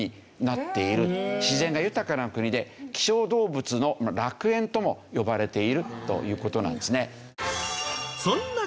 自然が豊かな国で希少動物の楽園とも呼ばれているという事なんですね。